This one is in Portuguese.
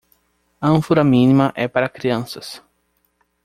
Ânfora mínima é para crianças.